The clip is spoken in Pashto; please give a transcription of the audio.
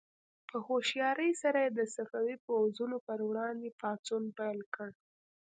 په هوښیارۍ سره یې د صفوي پوځونو پر وړاندې پاڅون پیل کړ.